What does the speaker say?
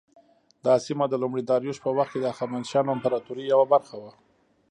دا سیمه د لومړي داریوش په وخت کې د هخامنشیانو امپراطورۍ یوه برخه وه.